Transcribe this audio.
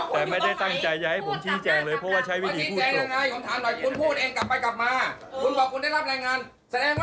ผมถูกรบกวนผมอธิบายไหมครับ